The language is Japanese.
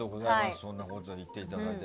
そんなことを言っていただいて。